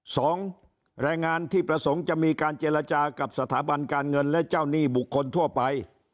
สองแรงงานที่ประสงค์จะมีการเจรจากับสถาบันการเงินและเจ้าหนี้บุคคลทั่วไป